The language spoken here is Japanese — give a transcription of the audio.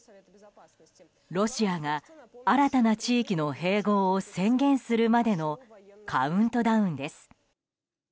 ロシアが新たな地域の併合を宣言するまでのカウントダウンです。